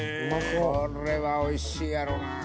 これはおいしいやろな。